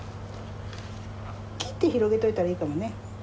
切って広げといたらいいかもね。